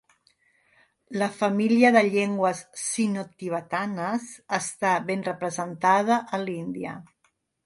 La família de llengües sinotibetanes està ben representada a l'Índia.